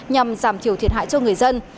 nhằm giảm thiểu thiệt hại cho người dân